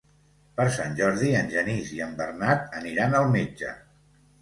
Per Sant Jordi en Genís i en Bernat aniran al metge.